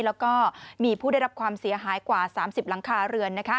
แล้วก็มีผู้ได้รับความเสียหายกว่า๓๐หลังคาเรือน